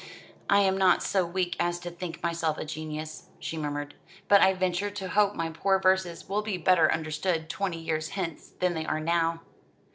"I am not so weak as to think myself a genius," she murmured; "but I venture to hope my poor verses will be better understood twenty years hence than they are now."